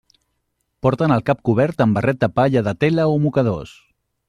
Porten el cap cobert amb barret de palla de tela o mocadors.